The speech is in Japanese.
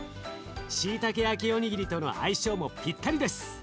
しいたけ焼きおにぎりとの相性もぴったりです。